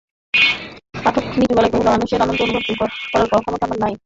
পাঠক নিচু গলায় বলল, মানুষের আনন্দ অনুভব করার ক্ষমতা আমার নেই।